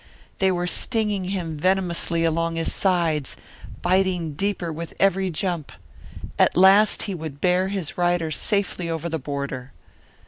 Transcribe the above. They were stinging him venomously along his sides, biting deeper with every jump. At last he would bear his rider safely over the border.